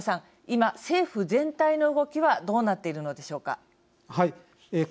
今、政府全体の動きはどうなっているのでしょうか。